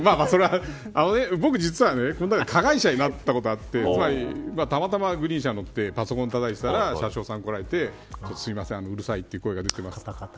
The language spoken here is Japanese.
僕、実はね加害者になった事があってたまたまグリーン車に乗ってパソコンをたたいていたら車掌さんが来られて、すみませんうるさいという声が出ています。